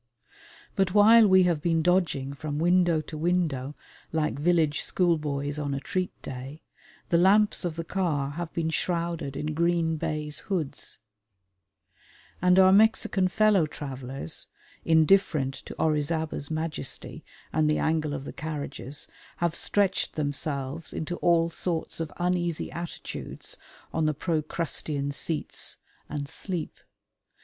But while we have been dodging from window to window like village schoolboys on a treat day, the lamps of the car have been shrouded in green baize hoods, and our Mexican fellow travellers, indifferent to Orizaba's majesty and the angle of the carriages, have stretched themselves into all sorts of uneasy attitudes on the Procrustean seats, and sleep.